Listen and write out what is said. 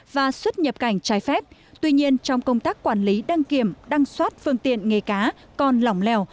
và xuất nhập cảnh trái phép tuy nhiên trong công tác quản lý đăng kiểm đăng soát phương tiện nghề cá còn lỏng lèo